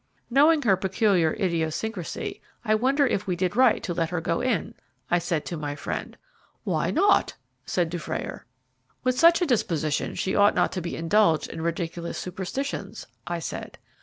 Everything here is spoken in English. "Knowing her peculiar idiosyncrasy, I wonder if we did right to let her go in?" I said to my friend. "Why not?" said Dufrayer. "With such a disposition she ought not to be indulged in ridiculous superstitions," I said.